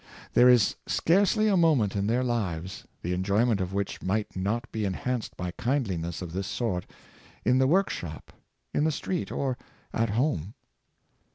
There is scarcely a moment in their lives the enjoyment of which might not be enhanced by kindliness of this sort — in the work shop, in the street, or at home.